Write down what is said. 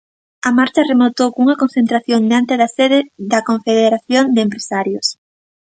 A marcha rematou cunha concentración diante da sede da Confederación de Empresarios.